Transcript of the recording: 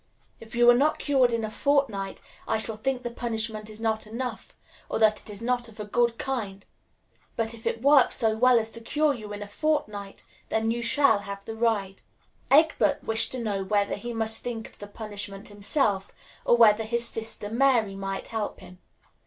If you are not cured in a fortnight I shall think the punishment is not enough, or that it is not of a good kind; but if it works so well as to cure you in a fortnight, then you shall have the ride." Egbert wished to know whether he must think of the punishment himself, or whether his sister Mary might help him.